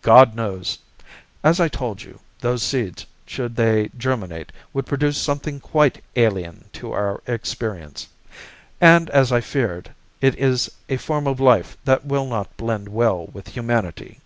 "God knows! As I told you, those seeds, should they germinate, would produce something quite alien to our experience; and as I feared, it is a form of life that will not blend well with humanity."